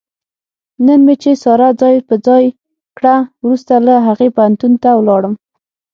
نن مې چې ساره ځای په ځای کړه، ورسته له هغې پوهنتون ته ولاړم.